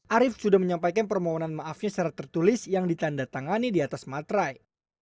arief sudah menyampaikan permohonan maafnya secara tertulis yang ditanda tangani di atas matrai